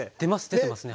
出てますね。